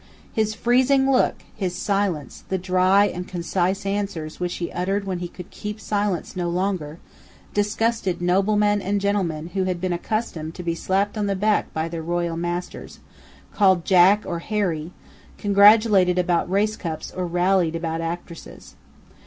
His freezing look, his silence, the dry and concise answers which he uttered when he could keep silence no longer, disgusted noblemen and gentlemen who had been accustomed to be slapped on the back by their royal masters, called Jack or Harry, congratulated about race cups or rallied about actresses.